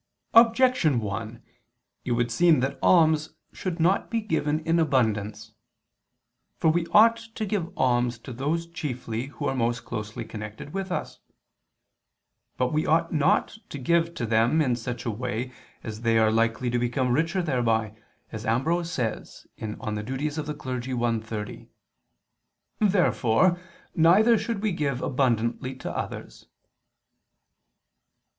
Objection 1: It would seem that alms should not be given in abundance. For we ought to give alms to those chiefly who are most closely connected with us. But we ought not to give to them in such a way that they are likely to become richer thereby, as Ambrose says (De Officiis i, 30). Therefore neither should we give abundantly to others.